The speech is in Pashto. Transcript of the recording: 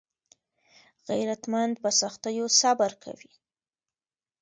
غیرتمند په سختیو صبر کوي